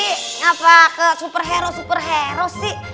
ini ke superhero superhero sih